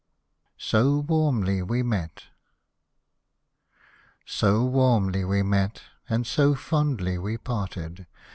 SO WARMLY WE MET So warmly we met and so fondly we parted.